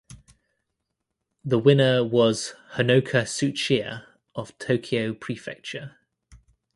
The winner was Honoka Tsuchiya of Tokyo Prefecture.